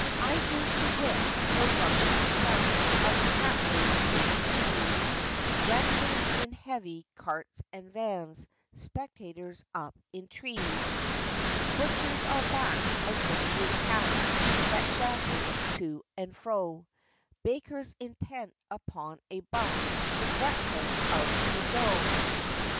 Idlers to wit no Guardians some, Of Tattlers in a squeeze; Ramblers in heavy carts and vans, Spectators up in trees. Butchers on backs of butchers' hacks, That shambled to and fro! Bakers intent upon a buck, Neglectful of the dough!